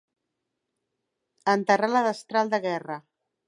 Enterrar la destral de guerra.